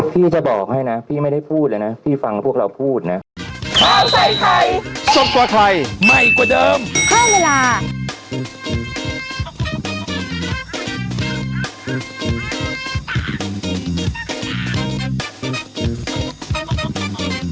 พี่จะบอกให้นะพี่ไม่ได้พูดเลยนะพี่ฟังพวกเราพูดนะ